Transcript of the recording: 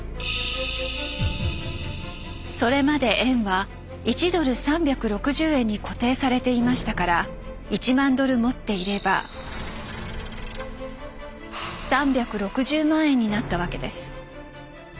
それまで円は１ドル３６０円に固定されていましたから１万ドル持っていれば３６０万円になったわけです。